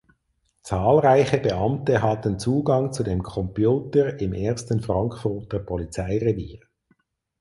Zahlreiche Beamte hatten Zugang zu dem Computer im ersten Frankfurter Polizeirevier.